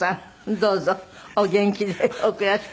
どうぞお元気でお暮らしくださいませ。